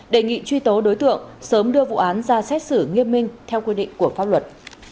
đề nghị truy tố đối tượng sớm đưa vụ án ra xét xử nghiêm minh theo quy định của pháp luật